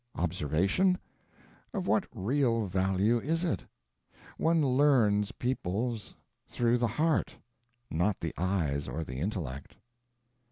Observation? Of what real value is it? One learns peoples through the heart, not the eyes or the intellect.